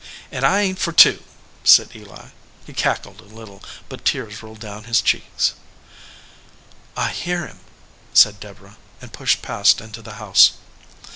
"And I ain t, for two," said Eli. He cackled a little, but tears rolled down his cheeks. "I hear him," said Deborah, and pushed past into the house.